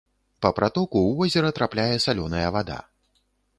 Па пратоку ў возера трапляе салёная вада.